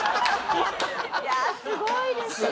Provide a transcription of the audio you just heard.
やあすごいですよ